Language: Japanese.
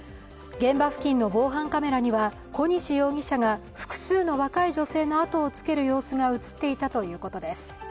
現場付近の防犯カメラには小西容疑者が複数の若い女性の後をつける様子が映っていたということです。